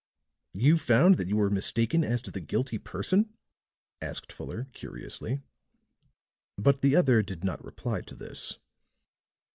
"You found that you were mistaken as to the guilty person?" asked Fuller curiously. But the other did not reply to this.